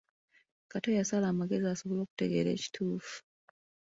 Kato yasala amagezi asobole okutegeera ekituufu.